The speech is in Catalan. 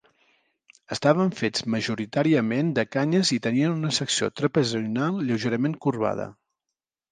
Estaven fets majoritàriament de canyes i tenien una secció trapezoidal lleugerament corbada.